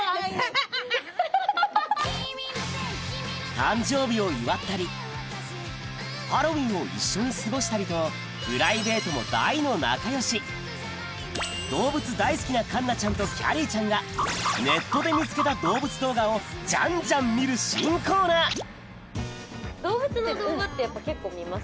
誕生日を祝ったりハロウィーンを一緒に過ごしたりと動物大好きな環奈ちゃんときゃりーちゃんがネットで見つけた動物動画をジャンジャン見る新コーナー動物の動画って結構見ます？